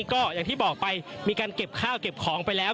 ก็อย่างที่บอกไปมีการเก็บข้าวเก็บของไปแล้ว